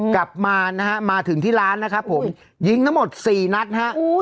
กลับมานะฮะมาถึงที่ร้านนะครับผมยิงทั้งหมดสี่นัดฮะ